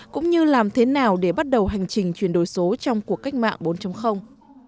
cũng như làm thế nào để bắt đầu hành trình chuyển đổi số trong cuộc cách mạng bốn